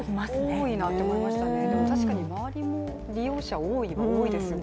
多いなと思いましたね、でも、確かに周りも利用者は多いは多いですよね。